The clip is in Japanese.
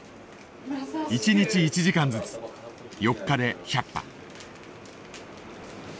１日１時間ずつ４日で１００羽。